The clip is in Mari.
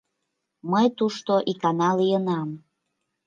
— Мый тушто икана лийынам.